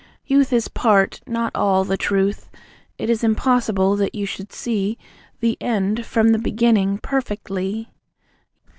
Youth Is part, not all, the truth. It is impossible that you should see The end from the beginning perfectly.